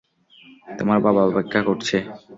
তোমার বাবা অপেক্ষা করছে!